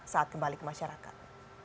saat kembali ke masyarakat